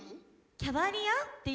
キャバリアっていう。